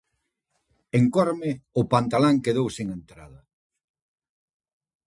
En Corme, o pantalán quedou sen entrada...